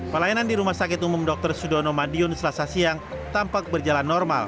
pelayanan di rumah sakit umum dokter frude no mahdi sabbath siang tampak berjalan normal